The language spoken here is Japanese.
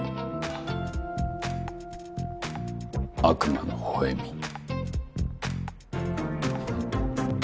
悪魔のほほ笑み？